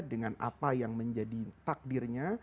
dengan apa yang menjadi takdirnya